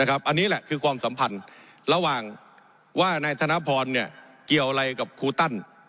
อันนี้แหละคือความสัมพันธ์ระหว่างว่านายธนพรเกี่ยวอะไรกับครูตัน